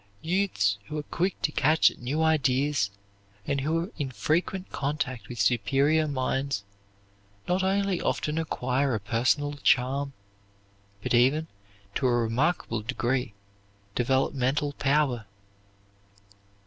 Youths who are quick to catch at new ideas, and who are in frequent contact with superior minds, not only often acquire a personal charm, but even, to a remarkable degree, develop mental power.